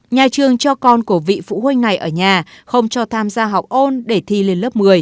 nhà trường cho con của vị phụ huynh này ở nhà không cho tham gia học ôn để thi lên lớp một mươi